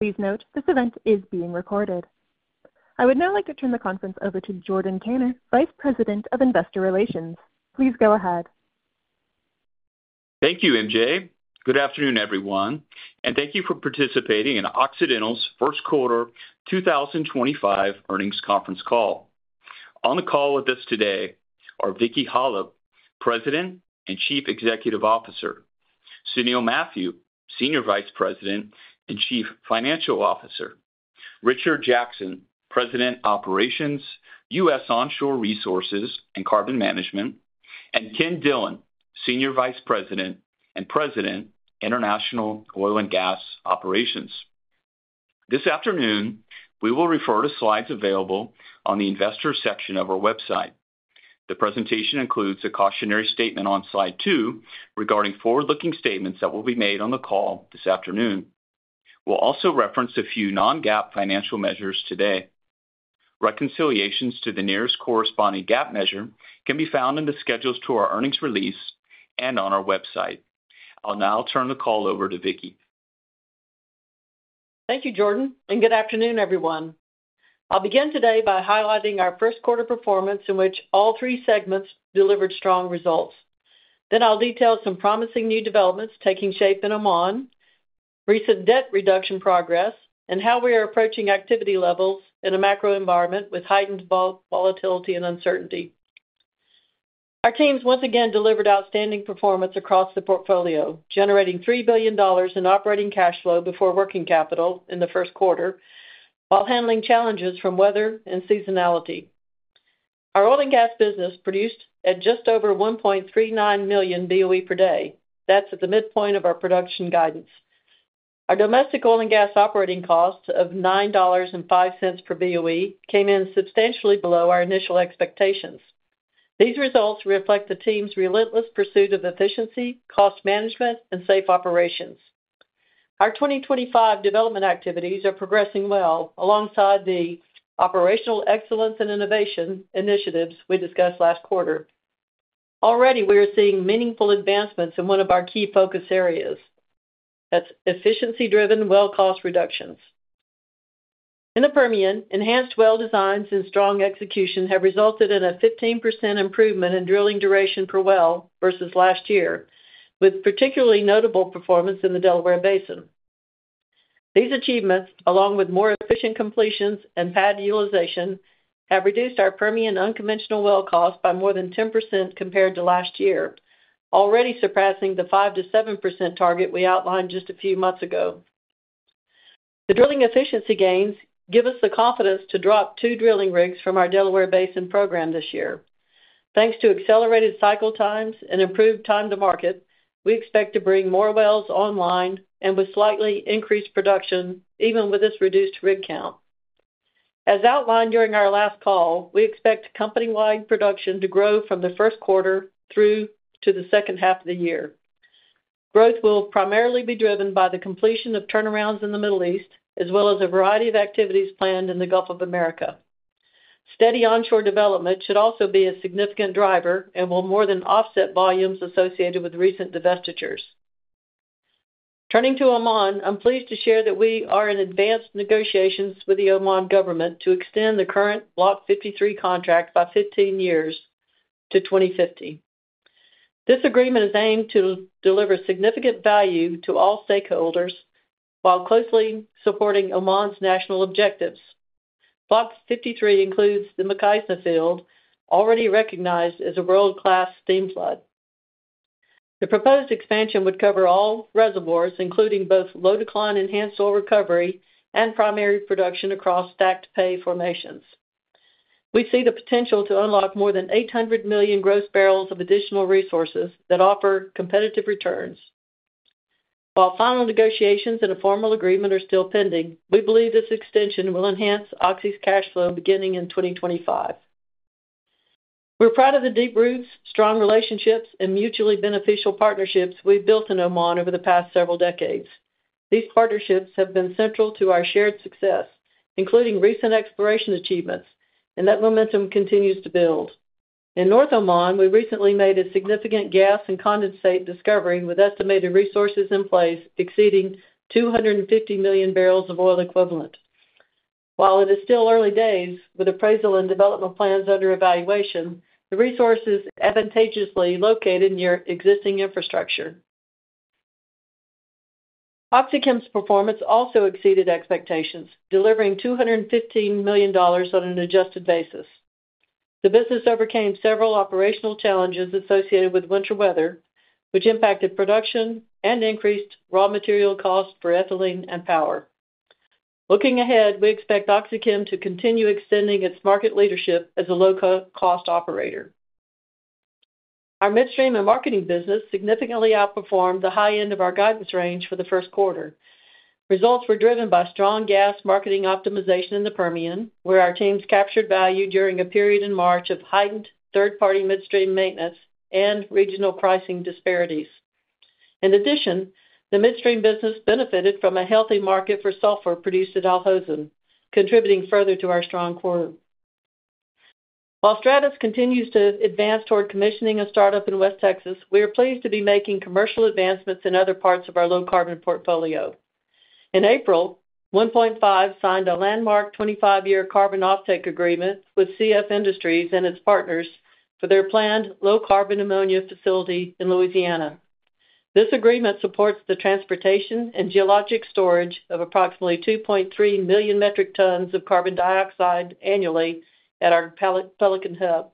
Please note, this event is being recorded. I would now like to turn the conference over to Jordan Tanner, Vice President of Investor Relations. Please go ahead. Thank you, MJ. Good afternoon, everyone, and thank you for participating in Occidental's First Quarter 2025 Earnings Conference call. On the call with us today are Vicki Hollub, President and Chief Executive Officer, Sunil Mathew, Senior Vice President and Chief Financial Officer, Richard Jackson, President, U.S. Onshore Resources and Carbon Management, and Ken Dillon, Senior Vice President and President, International Oil and Gas Operations. This afternoon, we will refer to slides available on the Investor section of our website. The presentation includes a cautionary statement on slide two regarding forward-looking statements that will be made on the call this afternoon. We'll also reference a few non-GAAP financial measures today. Reconciliations to the nearest corresponding GAAP measure can be found in the schedules to our earnings release and on our website. I'll now turn the call over to Vicki. Thank you, Jordan, and good afternoon, everyone. I'll begin today by highlighting our first quarter performance in which all three segments delivered strong results. Then I'll detail some promising new developments taking shape in Oman, recent debt reduction progress, and how we are approaching activity levels in a macro environment with heightened volatility and uncertainty. Our teams once again delivered outstanding performance across the portfolio, generating $3 billion in operating cash flow before working capital in the first quarter while handling challenges from weather and seasonality. Our oil and gas business produced at just over 1.39 million BOE per day. That's at the midpoint of our production guidance. Our domestic oil and gas operating cost of $9.05 per BOE came in substantially below our initial expectations. These results reflect the team's relentless pursuit of efficiency, cost management, and safe operations. Our 2025 development activities are progressing well alongside the operational excellence and innovation initiatives we discussed last quarter. Already, we are seeing meaningful advancements in one of our key focus areas. That's efficiency-driven well cost reductions. In the Permian, enhanced well designs and strong execution have resulted in a 15% improvement in drilling duration per well versus last year, with particularly notable performance in the Delaware Basin. These achievements, along with more efficient completions and pad utilization, have reduced our Permian unconventional well cost by more than 10% compared to last year, already surpassing the 5%-7% target we outlined just a few months ago. The drilling efficiency gains give us the confidence to drop two drilling rigs from our Delaware Basin program this year. Thanks to accelerated cycle times and improved time to market, we expect to bring more wells online and with slightly increased production, even with this reduced rig count. As outlined during our last call, we expect company-wide production to grow from the first quarter through to the second half of the year. Growth will primarily be driven by the completion of turnarounds in the Middle East, as well as a variety of activities planned in the Gulf of Mexico. Steady onshore development should also be a significant driver and will more than offset volumes associated with recent divestitures. Turning to Oman, I'm pleased to share that we are in advanced negotiations with the Oman government to extend the current Block 53 contract by 15 years to 2050. This agreement is aimed to deliver significant value to all stakeholders while closely supporting Oman's national objectives. Block 53 includes the Mukhaizna field, already recognized as a world-class steam flood. The proposed expansion would cover all reservoirs, including both low-decline enhanced oil recovery and primary production across stacked pay formations. We see the potential to unlock more than 800 million gross barrels of additional resources that offer competitive returns. While final negotiations and a formal agreement are still pending, we believe this extension will enhance Oxy's cash flow beginning in 2025. We're proud of the deep roots, strong relationships, and mutually beneficial partnerships we've built in Oman over the past several decades. These partnerships have been central to our shared success, including recent exploration achievements, and that momentum continues to build. In North Oman, we recently made a significant gas and condensate discovery with estimated resources in place exceeding 250 million barrels of oil equivalent. While it is still early days, with appraisal and development plans under evaluation, the resources are advantageously located near existing infrastructure. OxyChem's performance also exceeded expectations, delivering $215 million on an adjusted basis. The business overcame several operational challenges associated with winter weather, which impacted production and increased raw material costs for ethylene and power. Looking ahead, we expect OxyChem to continue extending its market leadership as a low-cost operator. Our midstream and marketing business significantly outperformed the high end of our guidance range for the first quarter. Results were driven by strong gas marketing optimization in the Permian, where our teams captured value during a period in March of heightened third-party midstream maintenance and regional pricing disparities. In addition, the midstream business benefited from a healthy market for sulfur produced at Al Hosn, contributing further to our strong quarter. While Stratos continues to advance toward commissioning a startup in West Texas, we are pleased to be making commercial advancements in other parts of our low-carbon portfolio. In April, 1PointFive signed a landmark 25-year carbon offtake agreement with CF Industries and its partners for their planned low-carbon ammonia facility in Louisiana. This agreement supports the transportation and geologic storage of approximately 2.3 million metric tons of carbon dioxide annually at our Pelican Hub.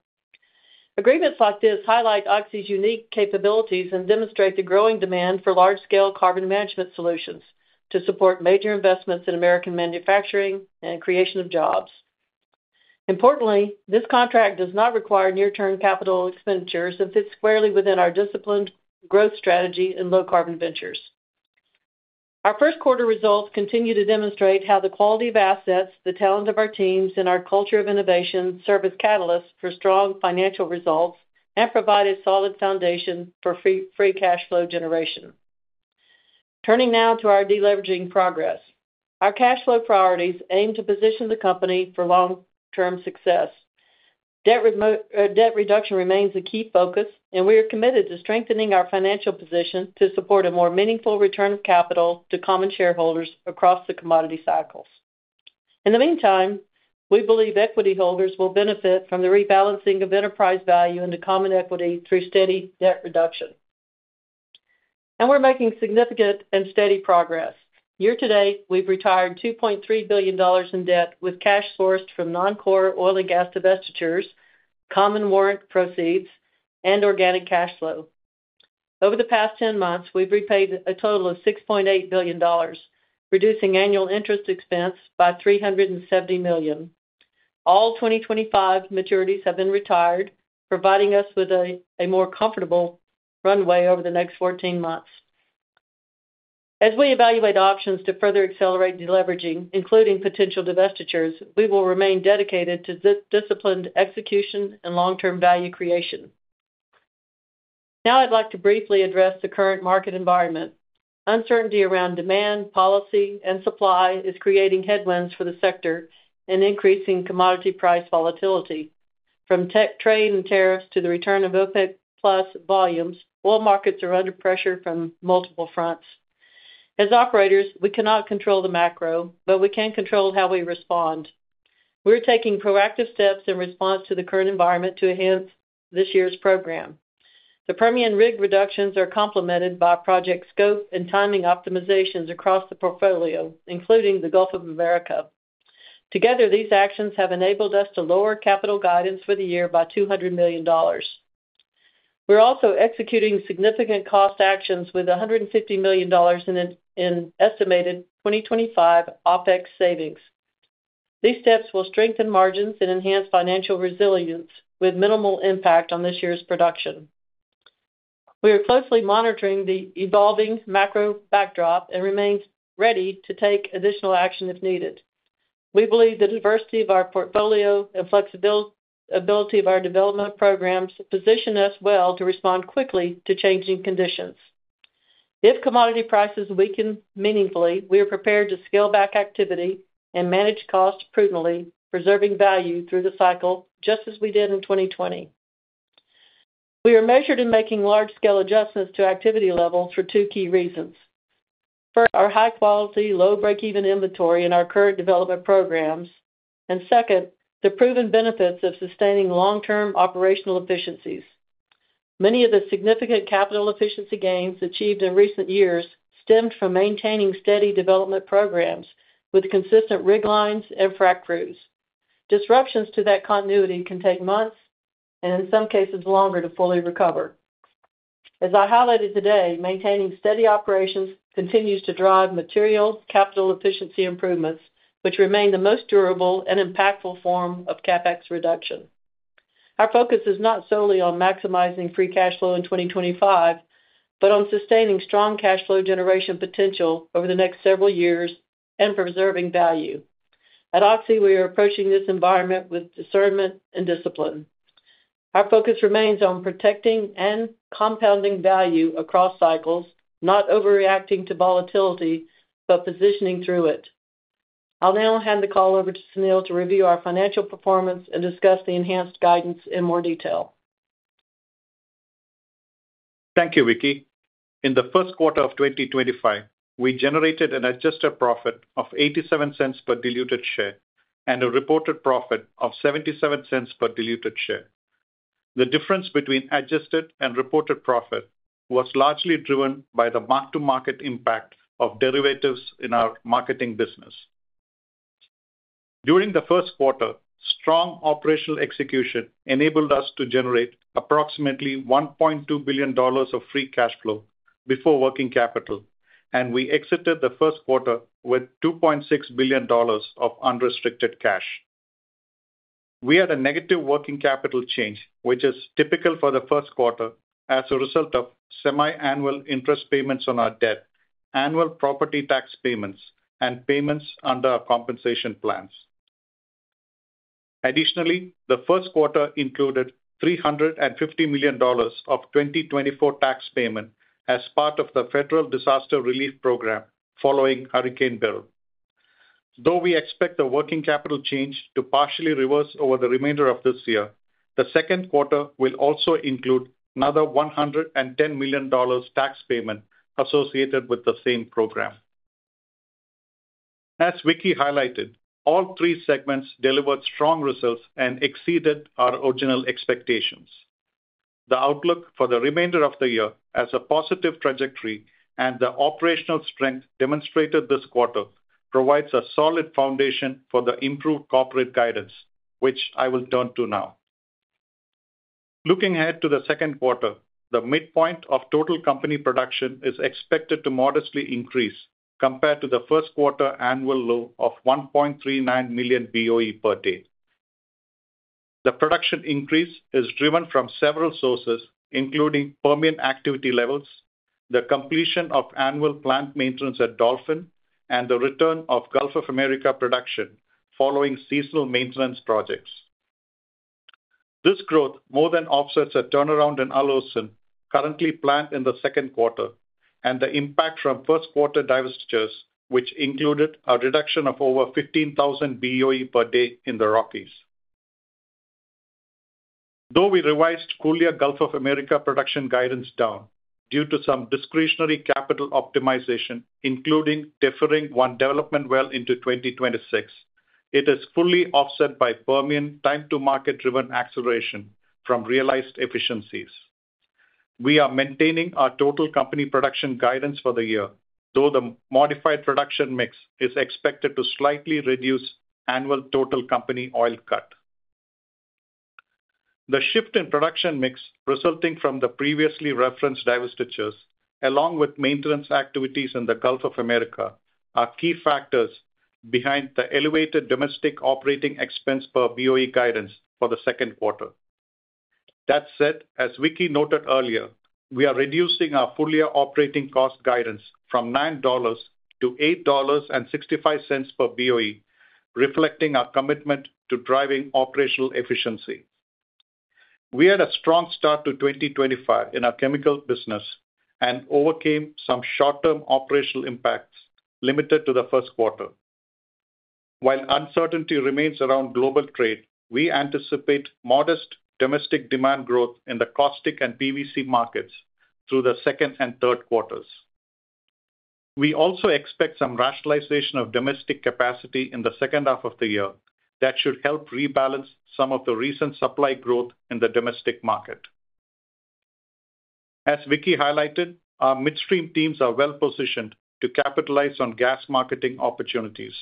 Agreements like this highlight Oxy's unique capabilities and demonstrate the growing demand for large-scale carbon management solutions to support major investments in American manufacturing and creation of jobs. Importantly, this contract does not require near-term capital expenditures and fits squarely within our disciplined growth strategy in low-carbon ventures. Our first quarter results continue to demonstrate how the quality of assets, the talent of our teams, and our culture of innovation serve as catalysts for strong financial results and provide a solid foundation for free cash flow generation. Turning now to our de-leveraging progress. Our cash flow priorities aim to position the company for long-term success. Debt reduction remains a key focus, and we are committed to strengthening our financial position to support a more meaningful return of capital to common shareholders across the commodity cycles. In the meantime, we believe equity holders will benefit from the rebalancing of enterprise value into common equity through steady debt reduction and we're making significant and steady progress. Year to date, we've retired $2.3 billion in debt with cash sourced from non-core oil and gas divestitures, common warrant proceeds, and organic cash flow. Over the past 10 months, we've repaid a total of $6.8 billion, reducing annual interest expense by $370 million. All 2025 maturities have been retired, providing us with a more comfortable runway over the next 14 months. As we evaluate options to further accelerate de-leveraging, including potential divestitures, we will remain dedicated to disciplined execution and long-term value creation. Now I'd like to briefly address the current market environment. Uncertainty around demand, policy, and supply is creating headwinds for the sector and increasing commodity price volatility. From tech trade and tariffs to the return of OPEC+ volumes, all markets are under pressure from multiple fronts. As operators, we cannot control the macro, but we can control how we respond. We're taking proactive steps in response to the current environment to enhance this year's program. The Permian rig reductions are complemented by project scope and timing optimizations across the portfolio, including the Gulf of Mexico. Together, these actions have enabled us to lower capital guidance for the year by $200 million. We're also executing significant cost actions with $150 million in estimated 2025 OpEx savings. These steps will strengthen margins and enhance financial resilience with minimal impact on this year's production. We are closely monitoring the evolving macro backdrop and remain ready to take additional action if needed. We believe the diversity of our portfolio and flexibility of our development programs position us well to respond quickly to changing conditions. If commodity prices weaken meaningfully, we are prepared to scale back activity and manage costs prudently, preserving value through the cycle just as we did in 2020. We are measured in making large-scale adjustments to activity levels for two key reasons. First, our high-quality, low-break-even inventory in our current development programs, and second, the proven benefits of sustaining long-term operational efficiencies. Many of the significant capital efficiency gains achieved in recent years stemmed from maintaining steady development programs with consistent rig lines and frac crews. Disruptions to that continuity can take months and, in some cases, longer to fully recover. As I highlighted today, maintaining steady operations continues to drive material capital efficiency improvements, which remain the most durable and impactful form of CapEx reduction. Our focus is not solely on maximizing free cash flow in 2025, but on sustaining strong cash flow generation potential over the next several years and preserving value. At Oxy, we are approaching this environment with discernment and discipline. Our focus remains on protecting and compounding value across cycles, not overreacting to volatility, but positioning through it. I'll now hand the call over to Sunil to review our financial performance and discuss the enhanced guidance in more detail. Thank you, Vicki. In the first quarter of 2025, we generated an adjusted profit of $0.87 per diluted share and a reported profit of $0.77 per diluted share. The difference between adjusted and reported profit was largely driven by the mark-to-market impact of derivatives in our marketing business. During the first quarter, strong operational execution enabled us to generate approximately $1.2 billion of free cash flow before working capital, and we exited the first quarter with $2.6 billion of unrestricted cash. We had a negative working capital change, which is typical for the first quarter as a result of semi-annual interest payments on our debt, annual property tax payments, and payments under our compensation plans. Additionally, the first quarter included $350 million of 2024 tax payment as part of the federal disaster relief program following Hurricane Beryl. Though we expect the working capital change to partially reverse over the remainder of this year, the second quarter will also include another $110 million tax payment associated with the same program. As Vicki highlighted, all three segments delivered strong results and exceeded our original expectations. The outlook for the remainder of the year has a positive trajectory and the operational strength demonstrated this quarter provides a solid foundation for the improved corporate guidance, which I will turn to now. Looking ahead to the second quarter, the midpoint of total company production is expected to modestly increase compared to the first quarter annual low of 1.39 million BOE per day. The production increase is driven from several sources, including Permian activity levels, the completion of annual plant maintenance at Dolphin, and the return of Gulf of Mexico production following seasonal maintenance projects. This growth more than offsets a turnaround in Al Hosn currently planned in the second quarter and the impact from first quarter divestitures, which included a reduction of over 15,000 BOE per day in the Rockies. Though we revised Gulf of Mexico production guidance down due to some discretionary capital optimization, including deferring one development well into 2026, it is fully offset by Permian time-to-market driven acceleration from realized efficiencies. We are maintaining our total company production guidance for the year, though the modified production mix is expected to slightly reduce annual total company oil cut. The shift in production mix resulting from the previously referenced divestitures, along with maintenance activities in the Gulf of Mexico, are key factors behind the elevated domestic operating expense per BOE guidance for the second quarter. That said, as Vicki noted earlier, we are reducing our Colombia operating cost guidance from $9-$8.65 per BOE, reflecting our commitment to driving operational efficiency. We had a strong start to 2025 in our chemical business and overcame some short-term operational impacts limited to the first quarter. While uncertainty remains around global trade, we anticipate modest domestic demand growth in the caustic and PVC markets through the second and third quarters. We also expect some rationalization of domestic capacity in the second half of the year that should help rebalance some of the recent supply growth in the domestic market. As Vicki highlighted, our midstream teams are well-positioned to capitalize on gas marketing opportunities.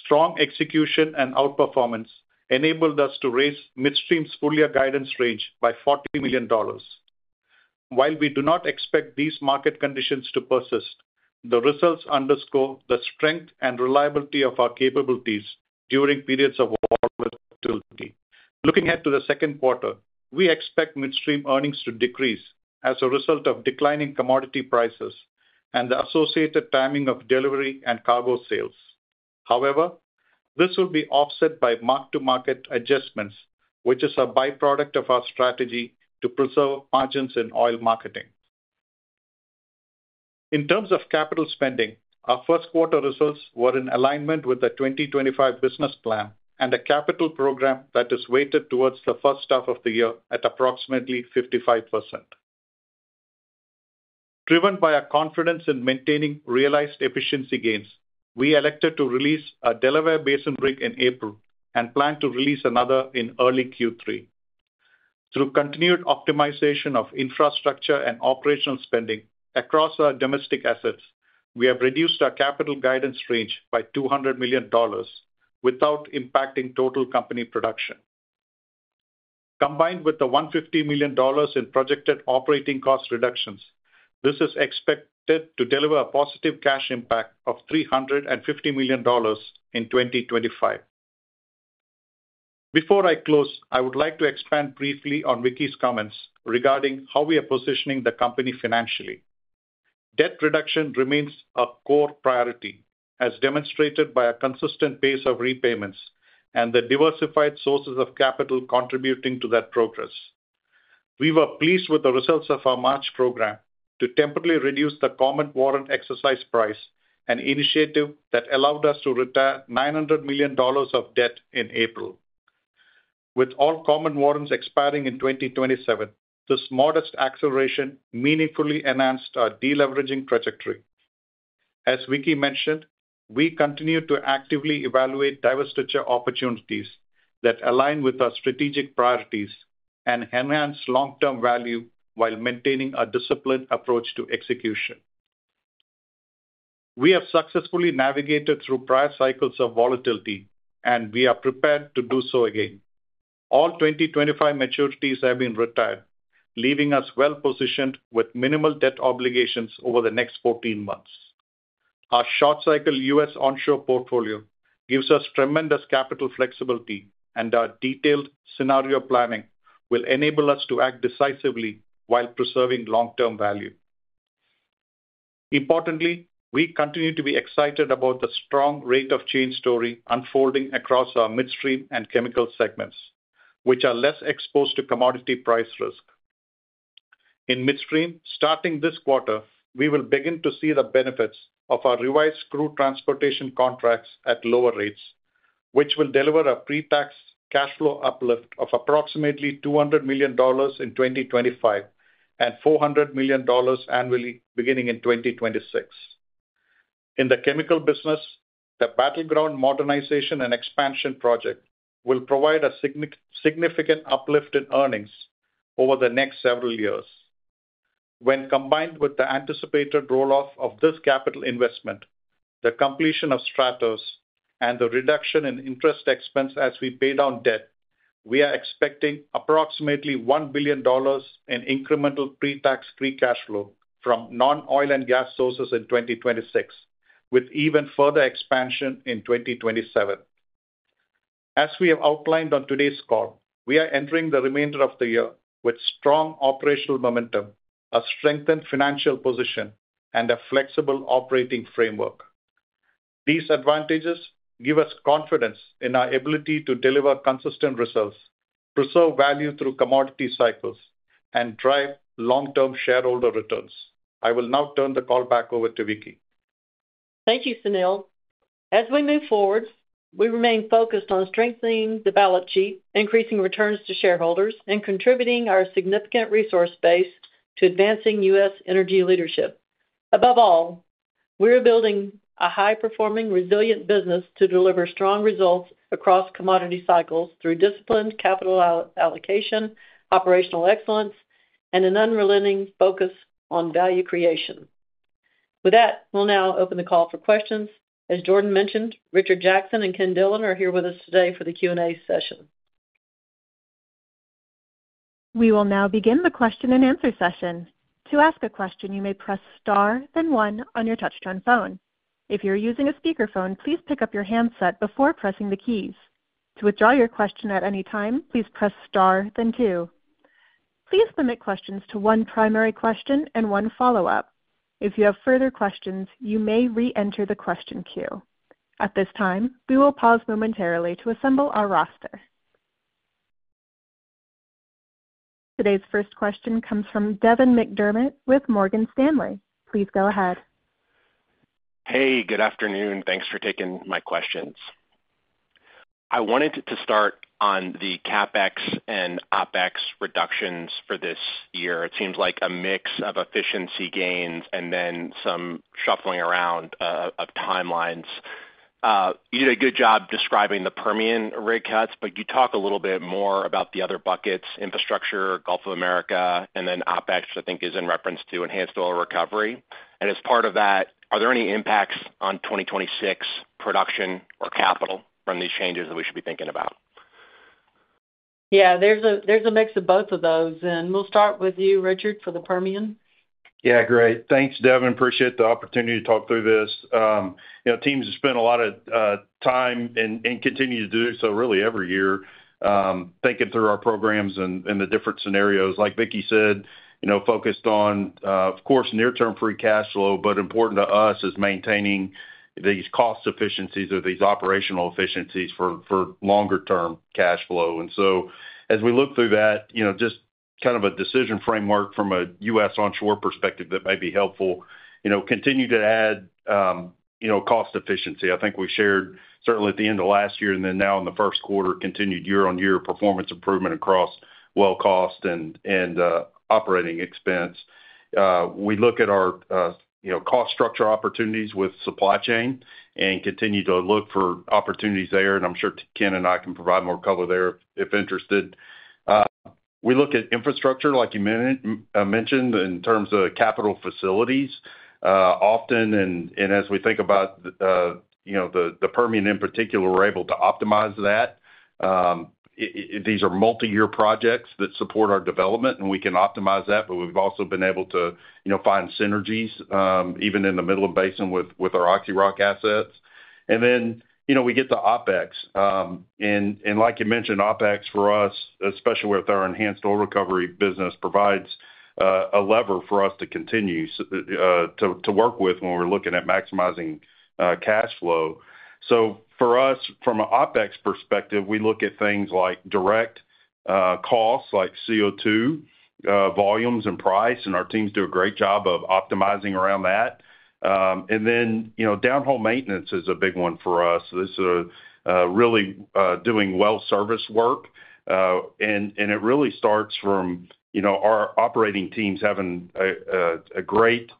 Strong execution and outperformance enabled us to raise midstream's Colombia guidance range by $40 million. While we do not expect these market conditions to persist, the results underscore the strength and reliability of our capabilities during periods of volatility. Looking ahead to the second quarter, we expect midstream earnings to decrease as a result of declining commodity prices and the associated timing of delivery and cargo sales. However, this will be offset by mark-to-market adjustments, which is a byproduct of our strategy to preserve margins in oil marketing. In terms of capital spending, our first quarter results were in alignment with the 2025 business plan and a capital program that is weighted towards the first half of the year at approximately 55%. Driven by our confidence in maintaining realized efficiency gains, we elected to release a Delaware Basin rig in April and plan to release another in early Q3. Through continued optimization of infrastructure and operational spending across our domestic assets, we have reduced our capital guidance range by $200 million without impacting total company production. Combined with the $150 million in projected operating cost reductions, this is expected to deliver a positive cash impact of $350 million in 2025. Before I close, I would like to expand briefly on Vicki's comments regarding how we are positioning the company financially. Debt reduction remains a core priority, as demonstrated by a consistent pace of repayments and the diversified sources of capital contributing to that progress. We were pleased with the results of our March program to temporarily reduce the common warrant exercise price, an initiative that allowed us to retire $900 million of debt in April. With all common warrants expiring in 2027, this modest acceleration meaningfully enhanced our de-leveraging trajectory. As Vicki mentioned, we continue to actively evaluate divestiture opportunities that align with our strategic priorities and enhance long-term value while maintaining a disciplined approach to execution. We have successfully navigated through prior cycles of volatility, and we are prepared to do so again. All 2025 maturities have been retired, leaving us well-positioned with minimal debt obligations over the next 14 months. Our short-cycle U.S. onshore portfolio gives us tremendous capital flexibility, and our detailed scenario planning will enable us to act decisively while preserving long-term value. Importantly, we continue to be excited about the strong rate of change story unfolding across our midstream and chemical segments, which are less exposed to commodity price risk. In midstream, starting this quarter, we will begin to see the benefits of our revised crew transportation contracts at lower rates, which will deliver a pre-tax cash flow uplift of approximately $200 million in 2025 and $400 million annually beginning in 2026. In the chemical business, the Battleground modernization and expansion project will provide a significant uplift in earnings over the next several years. When combined with the anticipated rolloff of this capital investment, the completion of Stratos, and the reduction in interest expense as we pay down debt, we are expecting approximately $1 billion in incremental pre-tax free cash flow from non-oil and gas sources in 2026, with even further expansion in 2027. As we have outlined on today's call, we are entering the remainder of the year with strong operational momentum, a strengthened financial position, and a flexible operating framework. These advantages give us confidence in our ability to deliver consistent results, preserve value through commodity cycles, and drive long-term shareholder returns. I will now turn the call back over to Vicki. Thank you, Sunil. As we move forward, we remain focused on strengthening the balance sheet, increasing returns to shareholders, and contributing our significant resource base to advancing U.S. energy leadership. Above all, we are building a high-performing, resilient business to deliver strong results across commodity cycles through disciplined capital allocation, operational excellence, and an unrelenting focus on value creation. With that, we'll now open the call for questions. As Jordan mentioned, Richard Jackson and Ken Dillon are here with us today for the Q&A session. We will now begin the question and answer session. To ask a question, you may press star, then one on your touch-tone phone. If you're using a speakerphone, please pick up your handset before pressing the keys. To withdraw your question at any time, please press star, then two. Please limit questions to one primary question and one follow-up. If you have further questions, you may re-enter the question queue. At this time, we will pause momentarily to assemble our roster. Today's first question comes from Devin McDermott with Morgan Stanley. Please go ahead. Hey, good afternoon. Thanks for taking my questions. I wanted to start on the CapEx and OpEx reductions for this year. It seems like a mix of efficiency gains and then some shuffling around of timelines. You did a good job describing the Permian rig cuts, but could you talk a little bit more about the other buckets, infrastructure, Gulf of Mexico, and then OpEx, which I think is in reference to enhanced oil recovery? As part of that, are there any impacts on 2026 production or capital from these changes that we should be thinking about? Yeah, there's a mix of both of those, and we'll start with you, Richard, for the Permian. Yeah, great. Thanks, Devin. Appreciate the opportunity to talk through this. Teams have spent a lot of time and continue to do so, really, every year, thinking through our programs and the different scenarios. Like Vicki said, focused on, of course, near-term free cash flow, but important to us is maintaining these cost efficiencies or these operational efficiencies for longer-term cash flow. So as we look through that, just kind of a decision framework from a U.S. onshore perspective that may be helpful, continue to add cost efficiency. I think we shared, certainly at the end of last year and then now in the first quarter, continued year-on-year performance improvement across well cost and operating expense. We look at our cost structure opportunities with supply chain and continue to look for opportunities there and I'm sure Ken and I can provide more color there if interested. We look at infrastructure, like you mentioned, in terms of capital facilities. Often, and as we think about the Permian in particular, we're able to optimize that. These are multi-year projects that support our development, and we can optimize that, but we've also been able to find synergies, even in the middle of basin, with our CrownRock assets. Then we get the OpEx, and like you mentioned, OpEx, for us, especially with our enhanced oil recovery business, provides a lever for us to continue to work with when we're looking at maximizing cash flow. So for us, from an OpEx perspective, we look at things like direct costs, like CO2 volumes and price, and our teams do a great job of optimizing around that, and then downhole maintenance is a big one for us. This is really doing well service work. It really starts from our operating teams having a great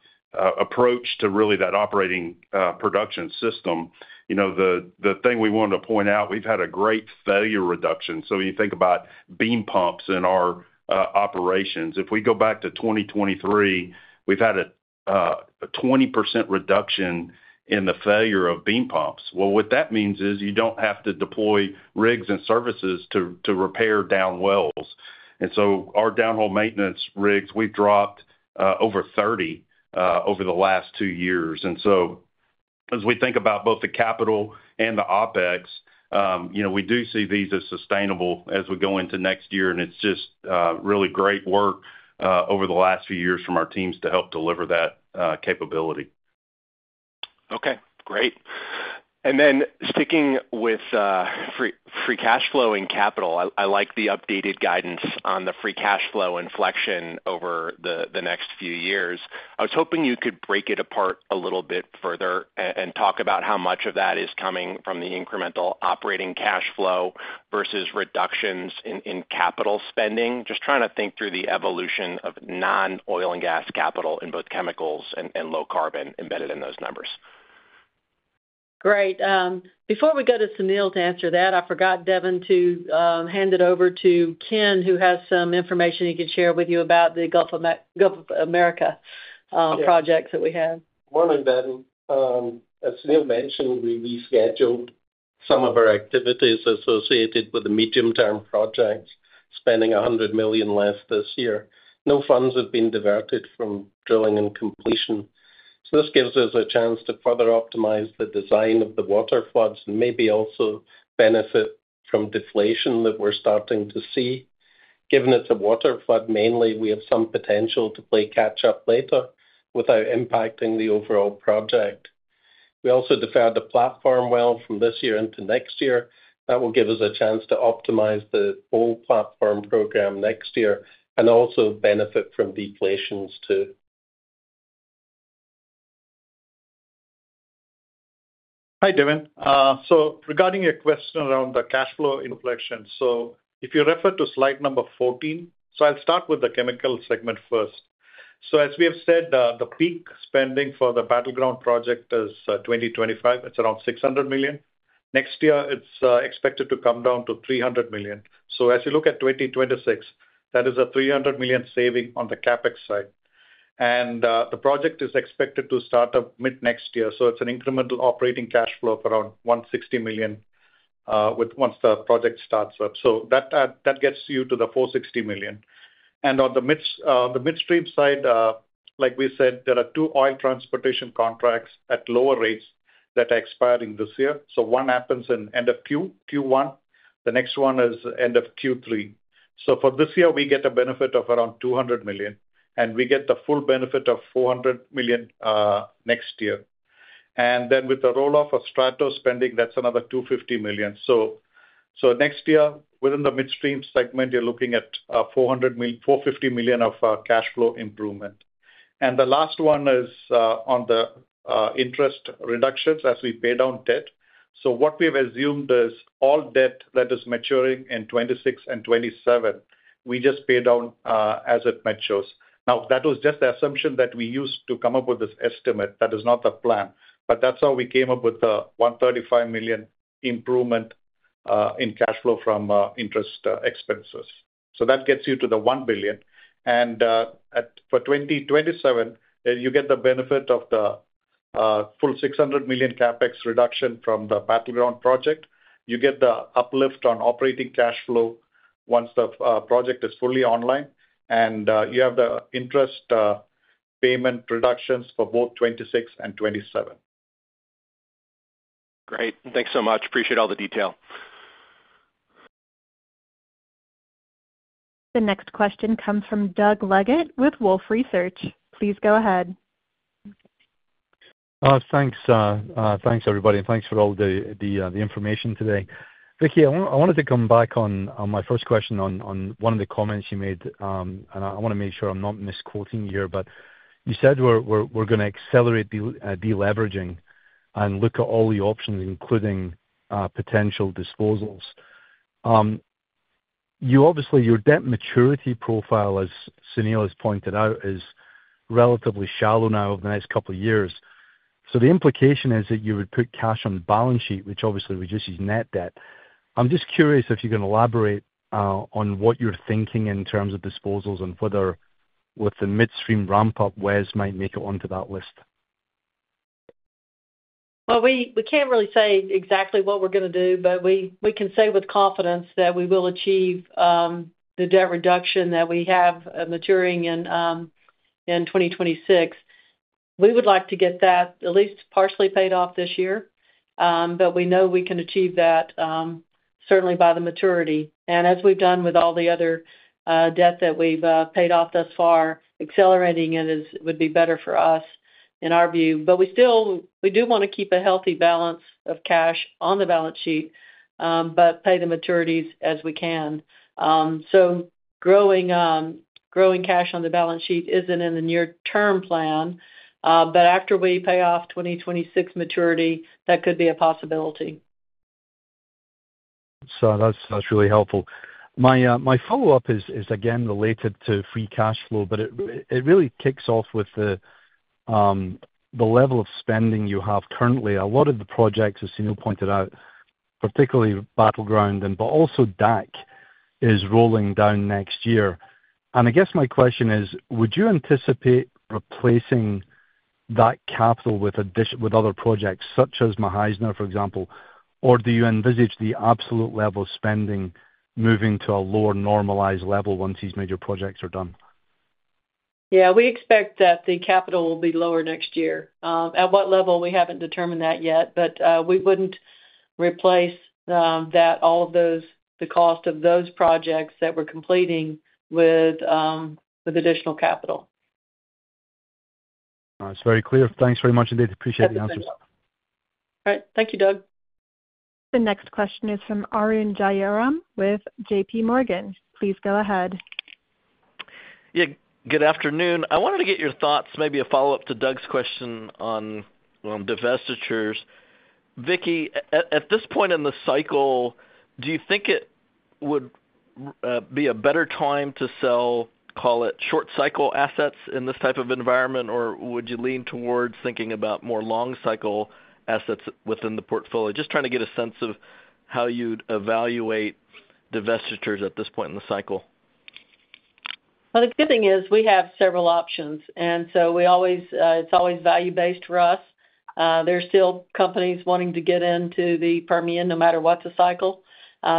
approach to really that operating production system. The thing we wanted to point out, we've had a great failure reduction. When you think about beam pumps in our operations, if we go back to 2023, we've had a 20% reduction in the failure of beam pumps. What that means is you don't have to deploy rigs and services to repair down wells. Our downhole maintenance rigs, we've dropped over 30 over the last two years. As we think about both the capital and the OpEx, we do see these as sustainable as we go into next year. It's just really great work over the last few years from our teams to help deliver that capability. Okay, great. Then sticking with free cash flow and capital, I like the updated guidance on the free cash flow inflection over the next few years. I was hoping you could break it apart a little bit further and talk about how much of that is coming from the incremental operating cash flow versus reductions in capital spending. Just trying to think through the evolution of non-oil and gas capital in both chemicals and low-carbon embedded in those numbers. Great. Before we go to Sunil to answer that, I forgot Devin to hand it over to Ken, who has some information he can share with you about the Gulf of Mexico projects that we have. Morning, Devin. As Sunil mentioned, we rescheduled some of our activities associated with the medium-term projects, spending $100 million less this year. No funds have been diverted from drilling and completion. So this gives us a chance to further optimize the design of the water floods and maybe also benefit from deflation that we're starting to see. Given it's a water flood mainly, we have some potential to play catch-up later without impacting the overall project. We also deferred the platform well from this year into next year. That will give us a chance to optimize the whole platform program next year and also benefit from deflations too. Hi, Devin. So regarding your question around the cash flow inflection, so if you refer to slide number 14, so I'll start with the chemical segment first. So as we have said, the peak spending for the Battleground project is 2025. It's around $600 million. Next year, it's expected to come down to $300 million. So as you look at 2026, that is a $300 million saving on the CapEx side and the project is expected to start up mid-next year. So it's an incremental operating cash flow of around $160 million once the project starts up. So that gets you to the $460 million. On the midstream side, like we said, there are two oil transportation contracts at lower rates that are expiring this year. So one happens in end of Q1. The next one is end of Q3. For this year, we get a benefit of around $200 million, and we get the full benefit of $400 million next year. Then with the rolloff of Stratos spending, that's another $250 million. Next year, within the midstream segment, you're looking at $450 million of cash flow improvement. The last one is on the interest reductions as we pay down debt. What we have assumed is all debt that is maturing in 2026 and 2027, we just pay down as it matures. Now, that was just the assumption that we used to come up with this estimate. That is not the plan. But that's how we came up with the $135 million improvement in cash flow from interest expenses. That gets you to the $1 billion. For 2027, you get the benefit of the full $600 million CapEx reduction from the Battleground project. You get the uplift on operating cash flow once the project is fully online, and you have the interest payment reductions for both 2026 and 2027. Great. Thanks so much. Appreciate all the detail. The next question comes from Doug Leggett with Wolfe Research. Please go ahead. Thanks, everybody, and thanks for all the information today. Vicki, I wanted to come back on my first question on one of the comments you made, and I want to make sure I'm not misquoting you here, but you said we're going to accelerate deleveraging and look at all the options, including potential disposals. Obviously, your debt maturity profile, as Sunil has pointed out, is relatively shallow now over the next couple of years, so the implication is that you would put cash on the balance sheet, which obviously reduces net debt. I'm just curious if you can elaborate on what you're thinking in terms of disposals and whether the midstream ramp-up ways might make it onto that list. We can't really say exactly what we're going to do, but we can say with confidence that we will achieve the debt reduction that we have maturing in 2026. We would like to get that at least partially paid off this year, but we know we can achieve that certainly by the maturity, and as we've done with all the other debt that we've paid off thus far, accelerating it would be better for us, in our view. But we do want to keep a healthy balance of cash on the balance sheet, but pay the maturities as we can, so growing cash on the balance sheet isn't in the near-term plan, but after we pay off 2026 maturity, that could be a possibility. So that's really helpful. My follow-up is, again, related to free cash flow, but it really kicks off with the level of spending you have currently. A lot of the projects, as Sunil pointed out, particularly Battleground, but also DAC, is rolling down next year. I guess my question is, would you anticipate replacing that capital with other projects, such as Mukhaizna, for example, or do you envisage the absolute level of spending moving to a lower normalized level once these major projects are done? Yeah, we expect that the capital will be lower next year. At what level, we haven't determined that yet. But we wouldn't replace all of the cost of those projects that we're completing with additional capital. That's very clear. Thanks very much indeed. Appreciate the answers. All right. Thank you, Doug. The next question is from Arun Jayaram with JPMorgan. Please go ahead. Yeah, good afternoon. I wanted to get your thoughts, maybe a follow-up to Doug's question on divestitures. Vicki, at this point in the cycle, do you think it would be a better time to sell, call it short-cycle assets in this type of environment or would you lean towards thinking about more long-cycle assets within the portfolio? Just trying to get a sense of how you'd evaluate divestitures at this point in the cycle. The good thing is we have several options, and so it's always value-based for us. There are still companies wanting to get into the Permian no matter what the cycle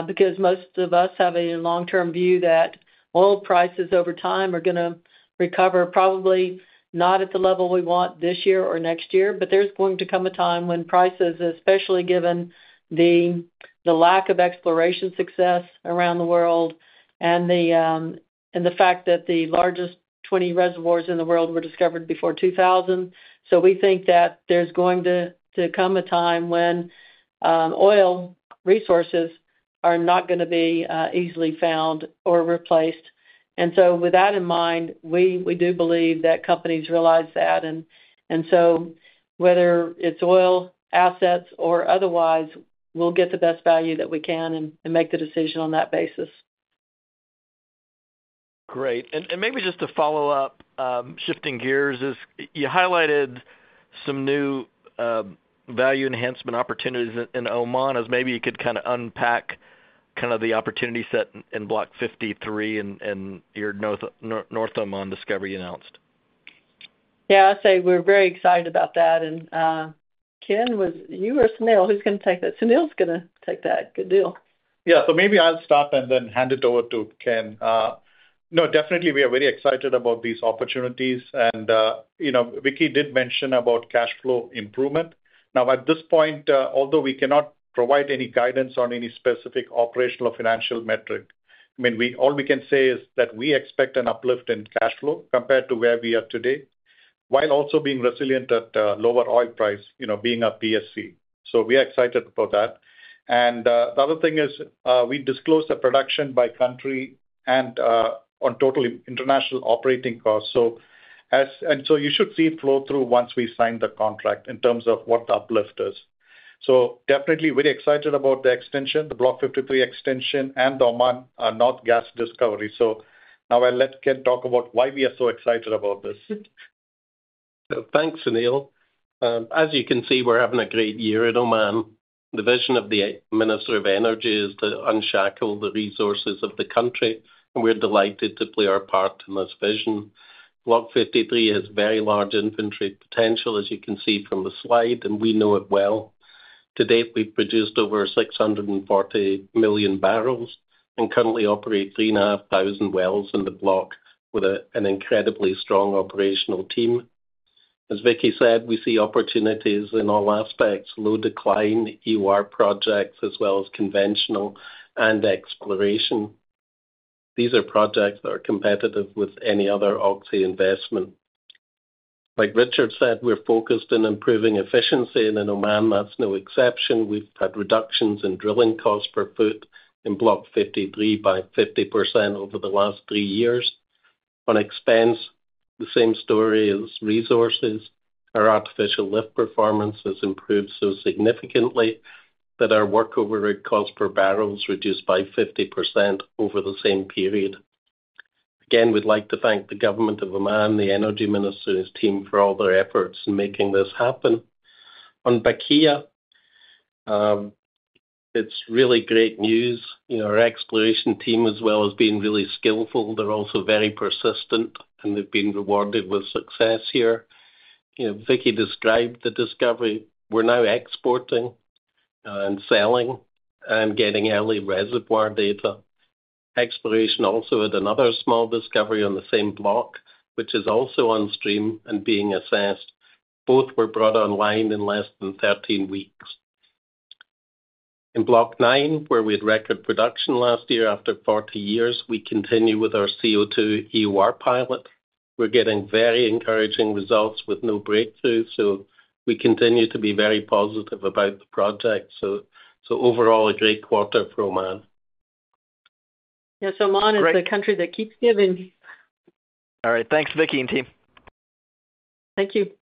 because most of us have a long-term view that oil prices over time are going to recover, probably not at the level we want this year or next year. But there's going to come a time when prices, especially given the lack of exploration success around the world and the fact that the largest 20 reservoirs in the world were discovered before 2000, so we think that there's going to come a time when oil resources are not going to be easily found or replaced, and so with that in mind, we do believe that companies realize that. Whether it's oil assets or otherwise, we'll get the best value that we can and make the decision on that basis. Great. Maybe just to follow up, shifting gears, you highlighted some new value enhancement opportunities in Oman as maybe you could kind of unpack kind of the opportunity set in Block 53 and your North Oman discovery announced? Yeah, I'll say we're very excited about that. Ken, you or Sunil, who's going to take that? Sunil's going to take that. Good deal. Yeah, so maybe I'll stop and then hand it over to Ken. No, definitely, we are very excited about these opportunities, and Vicki did mention about cash flow improvement. Now, at this point, although we cannot provide any guidance on any specific operational or financial metric, I mean, all we can say is that we expect an uplift in cash flow compared to where we are today, while also being resilient at lower oil price, being a PSC, so we are excited about that. The other thing is we disclose the production by country and on total international operating costs, and so you should see it flow through once we sign the contract in terms of what the uplift is, so definitely very excited about the extension, the Block 53 extension, and the Oman North Gas discovery. So now I'll let Ken talk about why we are so excited about this. Thanks, Sunil. As you can see, we're having a great year in Oman. The vision of the Minister of Energy is to unshackle the resources of the country, and we're delighted to play our part in this vision. Block 53 has very large inventory potential, as you can see from the slide, and we know it well. To date, we've produced over 640 million barrels and currently operate 3,500 wells in the block with an incredibly strong operational team. As Vicki said, we see opportunities in all aspects: low decline, EOR projects, as well as conventional and exploration. These are projects that are competitive with any other OXY investment. Like Richard said, we're focused on improving efficiency, and in Oman, that's no exception. We've had reductions in drilling costs per foot in Block 53 by 50% over the last three years. On expense, the same story as resources. Our artificial lift performance has improved so significantly that our workover cost per barrel is reduced by 50% over the same period. Again, we'd like to thank the government of Oman, the Energy Minister, and his team for all their efforts in making this happen. On Block 27, it's really great news. Our exploration team, as well, has been really skillful. They're also very persistent, and they've been rewarded with success here. Vicki described the discovery. We're now exporting and selling and getting early reservoir data. Exploration also had another small discovery on the same block, which is also on stream and being assessed. Both were brought online in less than 13 weeks. In Block 9, where we had record production last year after 40 years, we continue with our CO2 EOR pilot. We're getting very encouraging results with no breakthroughs. So we continue to be very positive about the project. So overall, a great quarter for Oman. Yes, Oman is the country that keeps giving. All right. Thanks, Vicki and team. Thank you.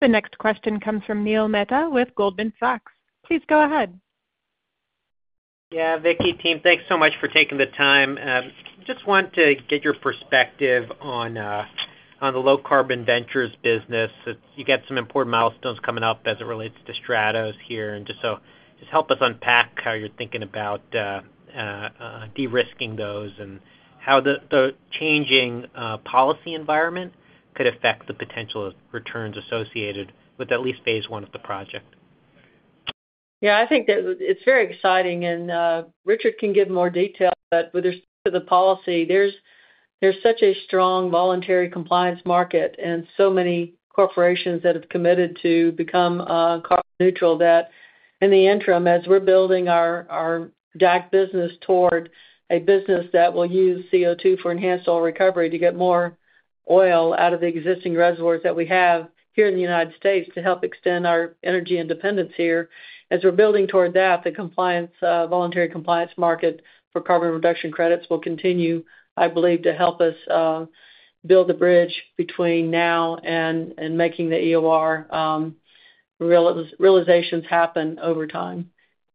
The next question comes from Neil Mehta with Goldman Sachs. Please go ahead. Yeah, Vicki, team, thanks so much for taking the time. Just want to get your perspective on the low-carbon ventures business. You got some important milestones coming up as it relates to Stratos here, and just help us unpack how you're thinking about de-risking those and how the changing policy environment could affect the potential returns associated with at least Phase I of the project. Yeah, I think it's very exciting, and Richard can give more detail. But with respect to the policy, there's such a strong voluntary compliance market and so many corporations that have committed to become carbon neutral that in the interim, as we're building our DAC business toward a business that will use CO2 for enhanced oil recovery to get more oil out of the existing reservoirs that we have here in the United States to help extend our energy independence here. As we're building toward that, the voluntary compliance market for carbon reduction credits will continue, I believe, to help us build the bridge between now and making the EOR realizations happen over time.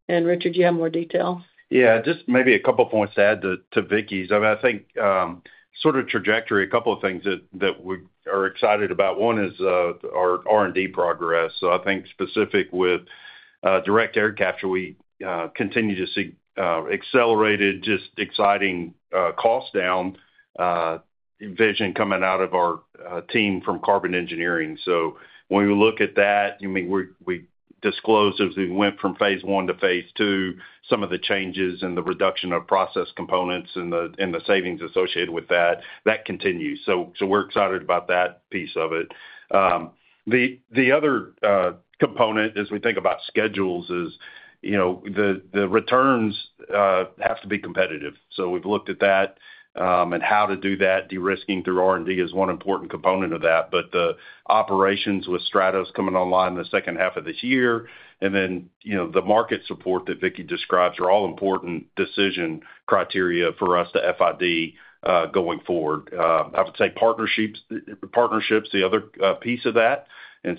Richard, do you have more detail? Yeah, just maybe a couple of points to add to Vicki's. I mean, I think sort of trajectory, a couple of things that we are excited about. One is our R&D progress. So I think specific with direct air capture, we continue to see accelerated, just exciting cost-down vision coming out of our team from Carbon Engineering. So when we look at that, we disclosed as we went from Phase 1` to Phase 2, some of the changes in the reduction of process components and the savings associated with that. That continues. So we're excited about that piece of it. The other component, as we think about schedules, is the returns have to be competitive. So we've looked at that and how to do that, de-risking through R&D, is one important component of that. But the operations with Stratos coming online in the second half of this year. Then the market support that Vicki describes are all important decision criteria for us to FID going forward. I would say partnerships, the other piece of that.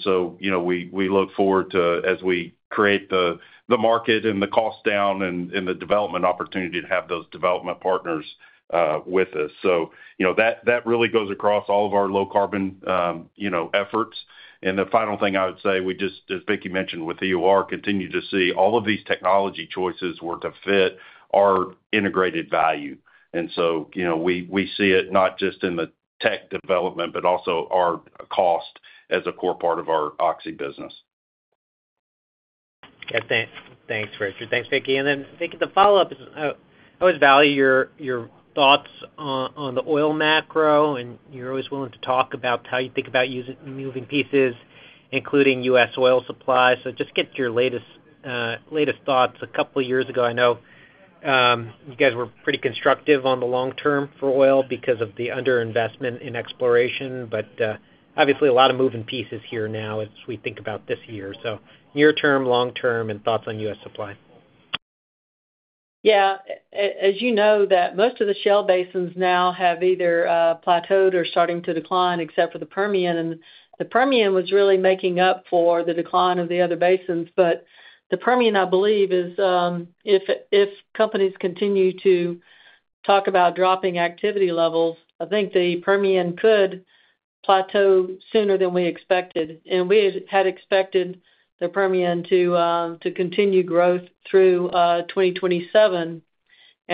So we look forward to, as we create the market and the cost down and the development opportunity to have those development partners with us. So that really goes across all of our low-carbon efforts and the final thing I would say, as Vicki mentioned with EOR, continue to see all of these technology choices were to fit our integrated value. So we see it not just in the tech development, but also our cost as a core part of our OXY business. Thanks, Richard. Thanks, Vicki. Then Vicki, the follow-up is I always value your thoughts on the oil macro and you're always willing to talk about how you think about moving pieces, including U.S. oil supplies. So just get your latest thoughts. A couple of years ago, I know you guys were pretty constructive on the long term for oil because of the underinvestment in exploration. But obviously, a lot of moving pieces here now as we think about this year. So near term, long term, and thoughts on U.S. supply. Yeah, as you know, most of the shale basins now have either plateaued or starting to decline except for the Permian. The Permian was really making up for the decline of the other basins. But the Permian, I believe, if companies continue to talk about dropping activity levels, I think the Permian could plateau sooner than we expected and we had expected the Permian to continue growth through 2027. We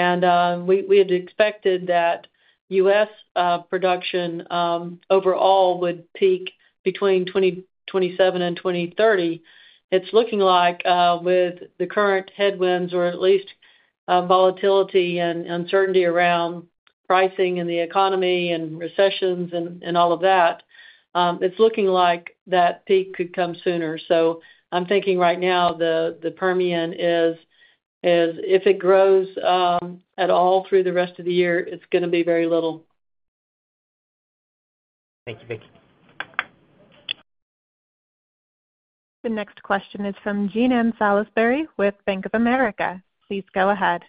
had expected that U.S. production overall would peak between 2027 and 2030. It's looking like with the current headwinds or at least volatility and uncertainty around pricing and the economy and recessions and all of that, it's looking like that peak could come sooner. So I'm thinking right now the Permian is, if it grows at all through the rest of the year, it's going to be very little. Thank you, Vicki. The next question is from Jean Ann Salisbury with Bank of America. Please go ahead.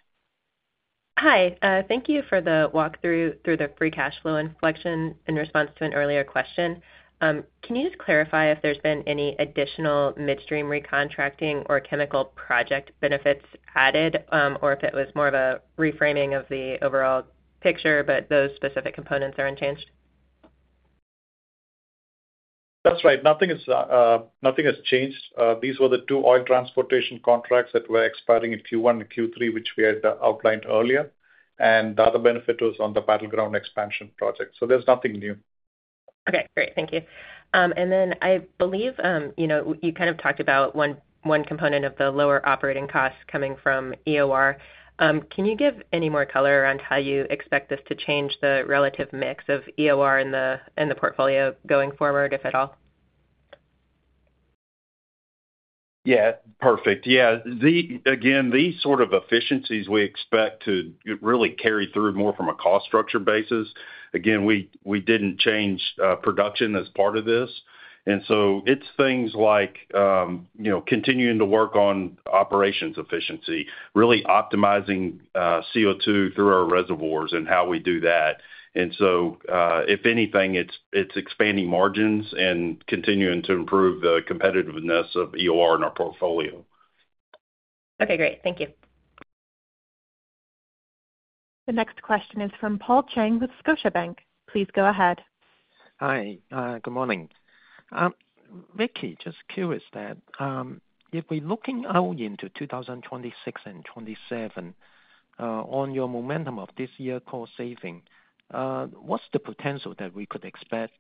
Hi. Thank you for the walkthrough through the free cash flow inflection in response to an earlier question. Can you just clarify if there's been any additional midstream recontracting or chemical project benefits added or if it was more of a reframing of the overall picture, but those specific components are unchanged? That's right. Nothing has changed. These were the two oil transportation contracts that were expiring in Q1 and Q3, which we had outlined earlier, and the other benefit was on the Battleground expansion project. So there's nothing new. Okay. Great. Thank you. Then I believe you kind of talked about one component of the lower operating costs coming from EOR. Can you give any more color around how you expect this to change the relative mix of EOR in the portfolio going forward, if at all? Yeah. Perfect. Yeah. Again, these sort of efficiencies we expect to really carry through more from a cost structure basis. Again, we didn't change production as part of this, and so it's things like continuing to work on operations efficiency, really optimizing CO2 through our reservoirs and how we do that, and so if anything, it's expanding margins and continuing to improve the competitiveness of EOR in our portfolio. Okay. Great. Thank you. The next question is from Paul Cheng with Scotiabank. Please go ahead. Hi. Good morning. Vicki, just curious that if we're looking out into 2026 and 2027, on your momentum of this year core saving, what's the potential that we could expect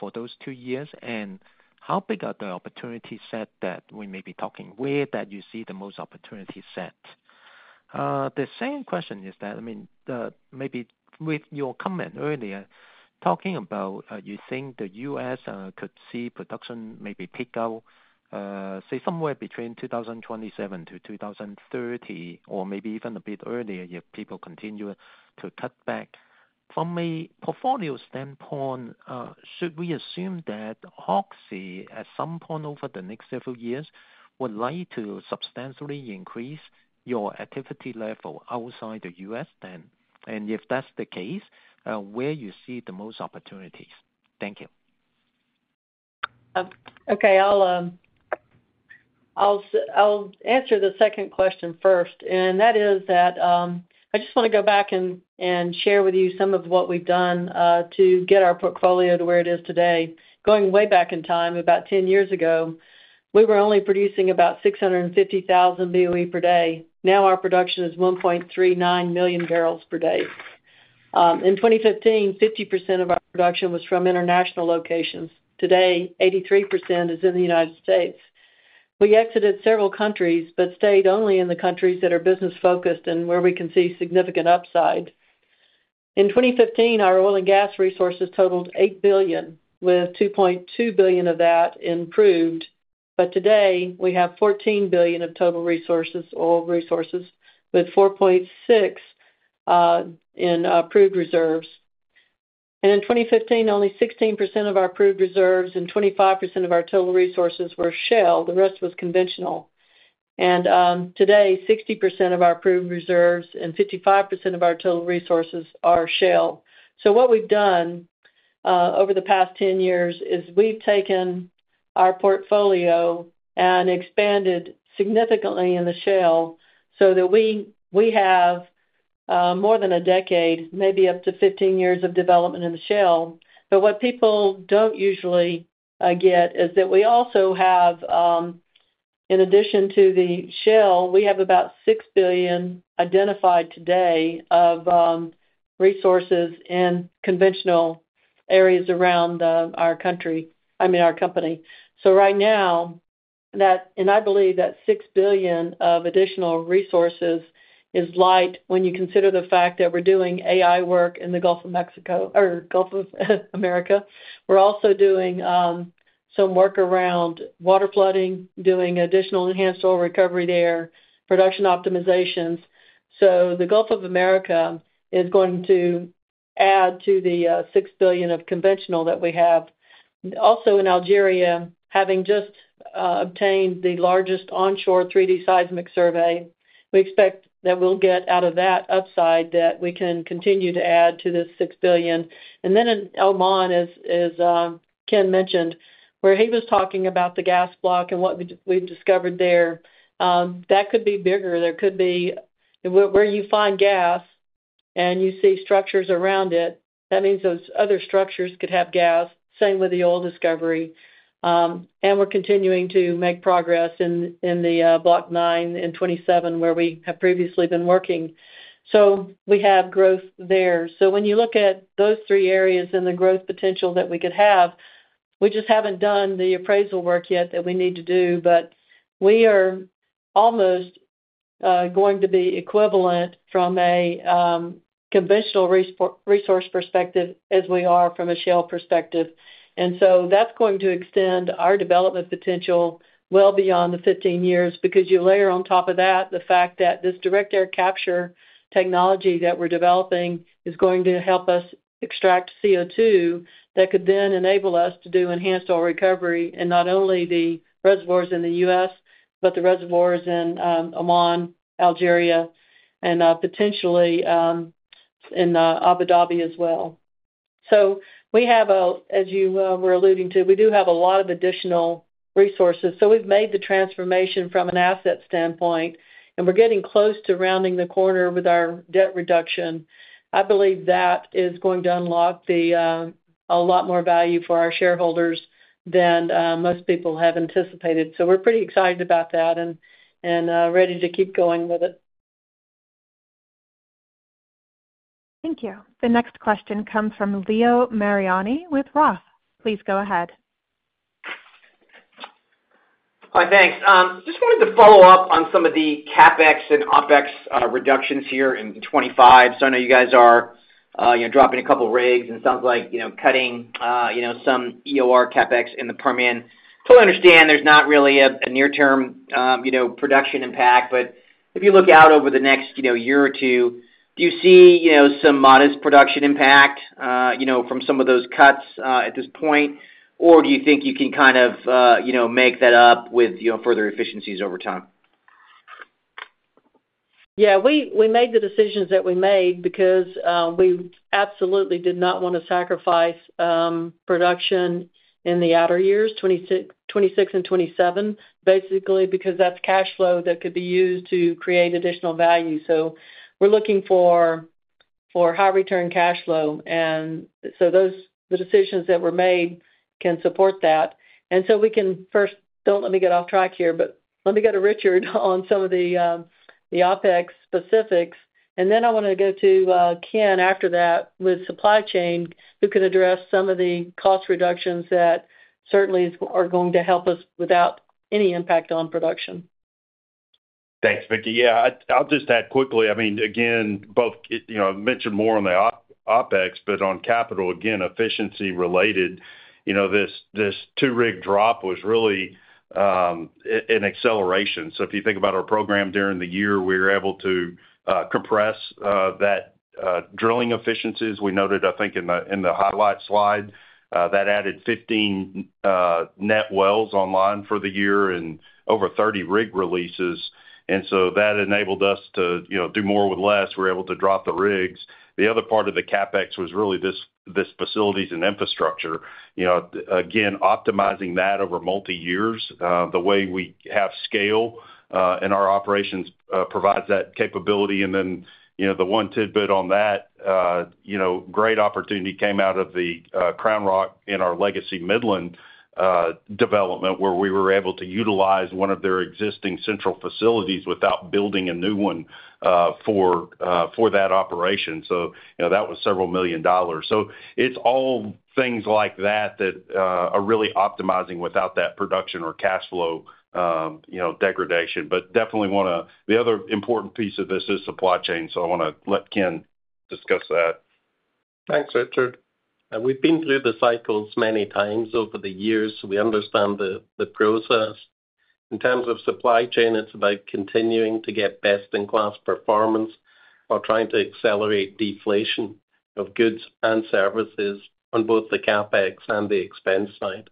for those two years and how big are the opportunities set that we may be talking? Where do you see the most opportunity set? The same question is that, I mean, maybe with your comment earlier, talking about you think the U.S. could see production maybe pick up, say, somewhere between 2027-2030 or maybe even a bit earlier if people continue to cut back. From a portfolio standpoint, should we assume that OXY at some point over the next several years would like to substantially increase your activity level outside the U.S. then? If that's the case, where do you see the most opportunities? Thank you. Okay. I'll answer the second question first, and that is that I just want to go back and share with you some of what we've done to get our portfolio to where it is today. Going way back in time, about 10 years ago, we were only producing about 650,000 BOE per day. Now our production is 1.39 million barrels per day. In 2015, 50% of our production was from international locations. Today, 83% is in the United States. We exited several countries but stayed only in the countries that are business-focused and where we can see significant upside. In 2015, our oil and gas resources totaled 8 billion, with 2.2 billion of that proved. But today, we have 14 billion of total resources, oil resources, with 4.6 billion in proved reserves. In 2015, only 16% of our proved reserves and 25% of our total resources were shale. The rest was conventional, and today, 60% of our proved reserves and 55% of our total resources are shale. So what we've done over the past 10 years is we've taken our portfolio and expanded significantly in the shale so that we have more than a decade, maybe up to 15 years of development in the shale. But what people don't usually get is that we also have, in addition to the shale, we have about 6 billion identified today of resources in conventional areas around our country, I mean, our company. So right now, and I believe that 6 billion of additional resources is light when you consider the fact that we're doing AI work in the Gulf of Mexico. We're also doing some work around water flooding, doing additional enhanced oil recovery there, production optimizations. The Gulf of Mexico is going to add to the 6 billion of conventional that we have. Also, in Algeria, having just obtained the largest onshore 3D seismic survey, we expect that we'll get out of that upside that we can continue to add to this 6 billion. In Oman, as Ken mentioned, where he was talking about the gas block and what we've discovered there, that could be bigger. There could be where you find gas and you see structures around it, that means those other structures could have gas. Same with the oil discovery. We're continuing to make progress in the Block 9 and Block 27 where we have previously been working. We have growth there. So when you look at those three areas and the growth potential that we could have, we just haven't done the appraisal work yet that we need to do. But we are almost going to be equivalent from a conventional resource perspective as we are from a shale perspective. So that's going to extend our development potential well beyond the 15 years because you layer on top of that the fact that this direct air capture technology that we're developing is going to help us extract CO2 that could then enable us to do enhanced oil recovery in not only the reservoirs in the U.S., but the reservoirs in Oman, Algeria, and potentially in Abu Dhabi as well. So we have, as you were alluding to, we do have a lot of additional resources. So we've made the transformation from an asset standpoint, and we're getting close to rounding the corner with our debt reduction. I believe that is going to unlock a lot more value for our shareholders than most people have anticipated. So we're pretty excited about that and ready to keep going with it. Thank you. The next question comes from Leo Mariani with Roth. Please go ahead. Hi. Thanks. Just wanted to follow up on some of the CapEx and OpEx reductions here in 2025. So I know you guys are dropping a couple of rigs and it sounds like cutting some EOR CapEx in the Permian. Totally understand there's not really a near-term production impact. But if you look out over the next year or two, do you see some modest production impact from some of those cuts at this point or do you think you can kind of make that up with further efficiencies over time? Yeah. We made the decisions that we made because we absolutely did not want to sacrifice production in the outer years, 2026 and 2027, basically because that's cash flow that could be used to create additional value. So we're looking for high-return cash flow. So the decisions that were made can support that. So we can first, don't let me get off track here, but let me go to Richard on some of the OpEx specifics. Then I want to go to Ken after that with supply chain who can address some of the cost reductions that certainly are going to help us without any impact on production. Thanks, Vicki. Yeah. I'll just add quickly. I mean, again, I've mentioned more on the OpEx, but on capital, again, efficiency-related, this two-rig drop was really an acceleration, so if you think about our program during the year, we were able to compress that drilling efficiencies. We noted, I think, in the highlight slide that added 15 net wells online for the year and over 30 rig releases, and so that enabled us to do more with less. We were able to drop the rigs. The other part of the CapEx was really this facilities and infrastructure. Again, optimizing that over multi-years, the way we have scale in our operations provides that capability. Then the one tidbit on that, great opportunity came out of the CrownRock and our legacy Midland development where we were able to utilize one of their existing central facilities without building a new one for that operation. So that was several million dollars. So it's all things like that that are really optimizing without that production or cash flow degradation. But definitely want to the other important piece of this is supply chain. So I want to let Ken discuss that. Thanks, Richard. We've been through the cycles many times over the years. We understand the process. In terms of supply chain, it's about continuing to get best-in-class performance while trying to accelerate deflation of goods and services on both the CapEx and the expense side.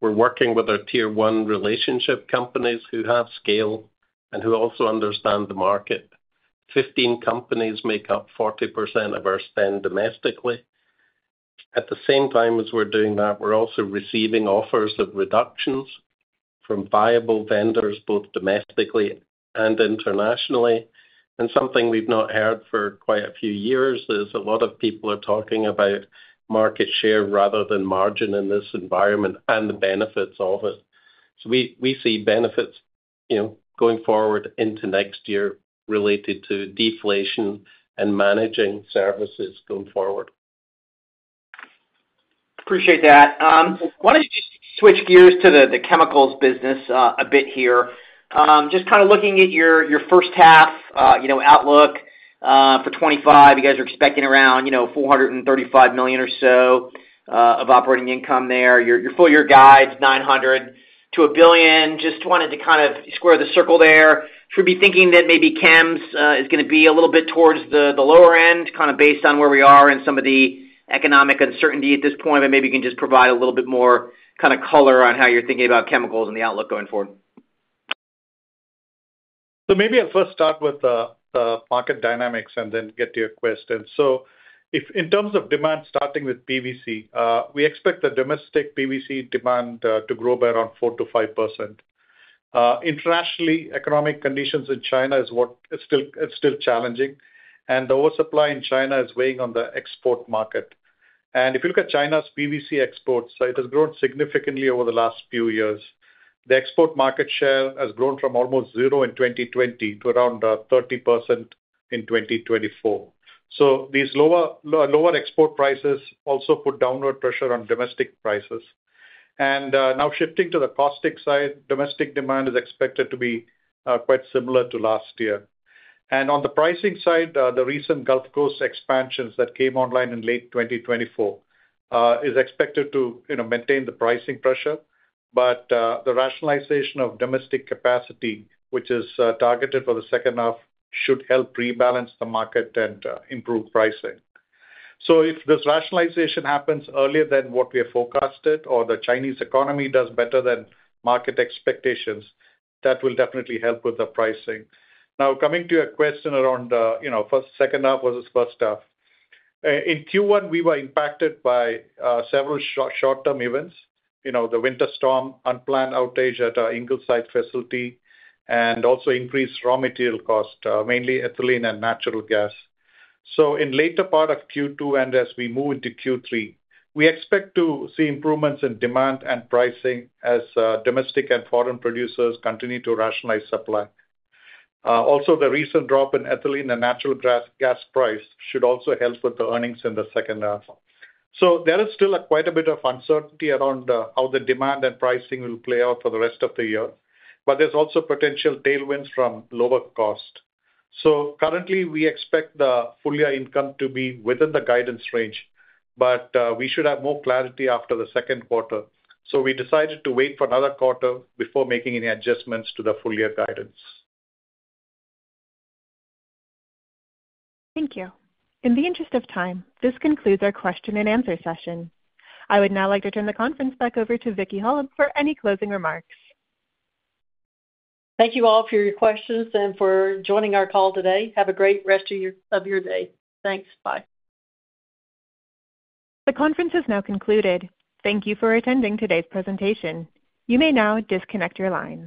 We're working with our Tier 1 relationship companies who have scale and who also understand the market. 15 companies make up 40% of our spend domestically. At the same time as we're doing that, we're also receiving offers of reductions from viable vendors both domestically and internationally and something we've not heard for quite a few years is a lot of people are talking about market share rather than margin in this environment and the benefits of it. So we see benefits going forward into next year related to deflation and managing services going forward. Appreciate that. I wanted to just switch gears to the chemicals business a bit here. Just kind of looking at your first half outlook for 2025, you guys are expecting around $435 million or so of operating income there. Your full-year guide is $900 million-$1 billion. Just wanted to kind of square the circle there. Should we be thinking that maybe chems is going to be a little bit towards the lower end, kind of based on where we are and some of the economic uncertainty at this point? But maybe you can just provide a little bit more kind of color on how you're thinking about chemicals and the outlook going forward. So maybe I'll first start with the market dynamics and then get to your question. So in terms of demand, starting with PVC, we expect the domestic PVC demand to grow by around 4%-5%. Internationally, economic conditions in China are still challenging and the oversupply in China is weighing on the export market. If you look at China's PVC exports, it has grown significantly over the last few years. The export market share has grown from almost zero in 2020 to around 30% in 2024. So these lower export prices also put downward pressure on domestic prices. Now shifting to the caustic side, domestic demand is expected to be quite similar to last year and on the pricing side, the recent Gulf Coast expansions that came online in late 2024 are expected to maintain the pricing pressure. But the rationalization of domestic capacity, which is targeted for the second half, should help rebalance the market and improve pricing. So if this rationalization happens earlier than what we have forecasted or the Chinese economy does better than market expectations, that will definitely help with the pricing. Now, coming to your question around first, second half versus first half, in Q1, we were impacted by several short-term events: the winter storm, unplanned outage at our Ingleside facility, and also increased raw material cost, mainly ethylene and natural gas. So in the later part of Q2 and as we move into Q3, we expect to see improvements in demand and pricing as domestic and foreign producers continue to rationalize supply. Also, the recent drop in ethylene and natural gas price should also help with the earnings in the second half. There is still quite a bit of uncertainty around how the demand and pricing will play out for the rest of the year. But there's also potential tailwinds from lower cost. Currently, we expect the full-year income to be within the guidance range, but we should have more clarity after the second quarter. We decided to wait for another quarter before making any adjustments to the full-year guidance. Thank you. In the interest of time, this concludes our question and answer session. I would now like to turn the conference back over to Vicki Hollub for any closing remarks. Thank you all for your questions and for joining our call today. Have a great rest of your day. Thanks. Bye. The conference has now concluded. Thank you for attending today's presentation. You may now disconnect your line.